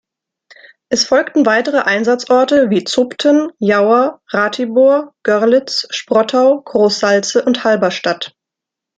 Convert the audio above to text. Es folgten weitere Einsatzorte wie Zobten, Jauer, Ratibor, Görlitz, Sprottau, Groß Salze und Halberstadt.